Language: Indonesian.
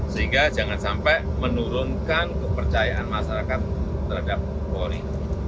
sehingga jangan sampai menurunkan kepercayaan masyarakat terhadap polri